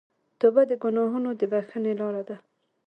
توبه د ګناهونو د بخښنې لاره ده.